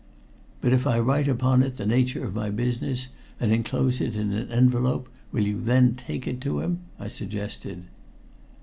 "But if I write upon it the nature of my business, and enclose it in an envelope, will you then take it to him?" I suggested.